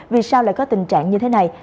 vì sao lại có tình trạng như thế này